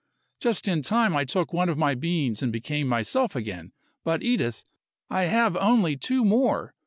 Just in time I took one of my beans and became myself again, but Edith, I have only two more.